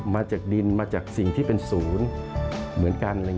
มาจากดินมาจากสิ่งที่เป็นศูนย์เหมือนกัน